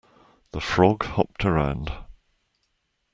The frog hopped around.